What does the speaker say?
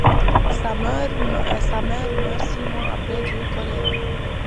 Sa mère meurt six mois après du choléra.